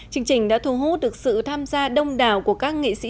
chương trình đã thu hút được sự tham gia đông đảo của các nghệ sĩ